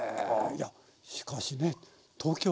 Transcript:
いやしかしね東京も。